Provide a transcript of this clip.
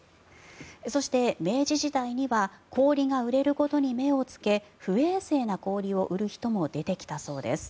そして、明治時代には氷が売れることに目をつけ不衛生な氷を売る人も出てきたそうです。